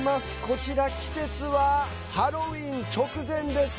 こちら季節はハロウィーン直前です。